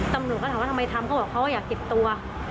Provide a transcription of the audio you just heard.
ตำรวจเขาถามว่าทำไมทำเขาบอกเขาอยากเก็บตัว